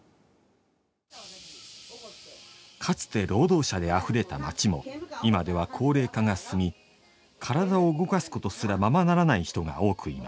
かつて労働者であふれた町も今では高齢化が進み体を動かすことすらままならない人が多くいます。